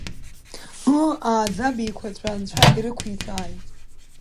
Ыы, ааӡаб еиқәаҵәа анцәа ирықәиҵааит.